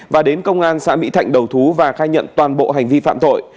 và đến công an xã mỹ thạnh đầu thú và khai nhận toàn bộ hành vi phạm tội